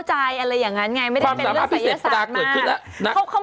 ใช่เพราะว่าตอนแรกพ่อนั้นก็เป็นกว่า